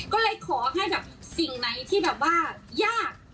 ก็เลยขอให้แบบสิ่งไหนที่แบบว่ายาก